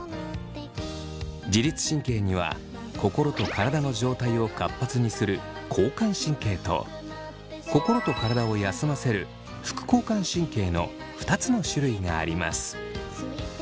自律神経には心と体の状態を活発にする交感神経と心と体を休ませる副交感神経の２つの種類があります。